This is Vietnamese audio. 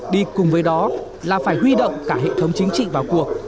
đi cùng với đó là phải huy động cả hệ thống chính trị vào cuộc